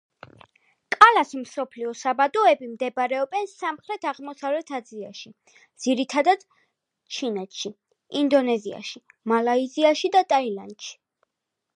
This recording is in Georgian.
კალას მსოფლიო საბადოები მდებარეობენ სამხრეთ-აღმოსავლეთ აზიაში, ძირითადად ჩინეთში, ინდონეზიაში, მალაიზიაში და ტაილანდში.